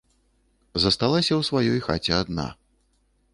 Засталася ў сваёй хаце адна.